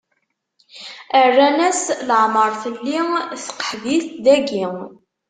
Rran-as: Leɛmeṛ telli tqeḥbit dagi.